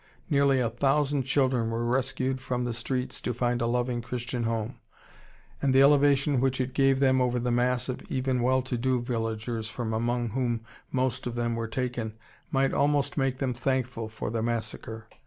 Nearly a thousand children were rescued from the streets to find a loving Christian home, and the elevation which it gave them over the mass of even well to do villagers from among whom most of them were taken might almost make them thankful for the massacre.